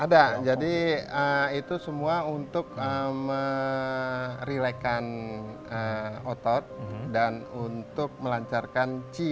ada jadi itu semua untuk merelakan otot dan untuk melancarkan chi